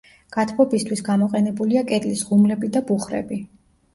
გათბობისთვის გამოყენებულია კედლის ღუმლები და ბუხრები.